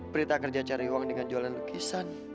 prita kerja cari uang dengan jualan lukisan